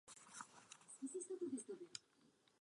Zpráva se zastaví.